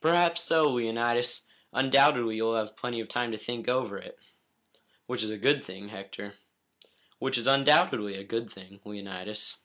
"Perhaps so, Leonidas. Undoubtedly you'll have plenty of time to think over it." "Which is a good thing, Hector." "Which is undoubtedly a good thing, Leonidas."